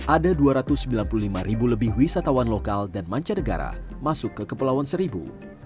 ada dua ratus sembilan puluh lima lebih wisatawan lokal dan manca negara masuk ke kepelawan seribu